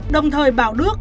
đồng thời bảo đức